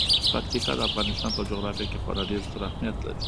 پکتیکا د افغانستان په جغرافیه کې خورا ډیر ستر اهمیت لري.